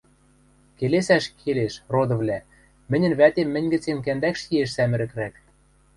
Келесӓш келеш, родывлӓ, мӹньӹн вӓтем мӹнь гӹцем кӓндӓкш иэш сӓмӹрӹкрӓк.